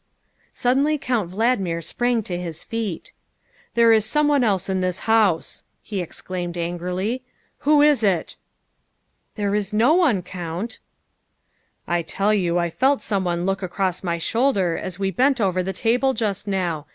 Suddenly Count Valdmir sprang to his feet. " There is someone else in this house!" he exclaimed angrily. " Who is it?" '' There is no one, Count. ''" I tell you I felt someone look across my shoulder as we bent over the table just now.